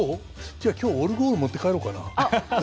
じゃあ今日オルゴール持って帰ろうかな？